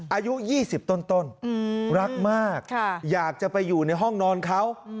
อายุ๒๐ต้นรักมากอยากจะไปอยู่ในห้องนอนเขา